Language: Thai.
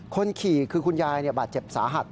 คนขี่คือคุณยายบาดเจ็บสาหัส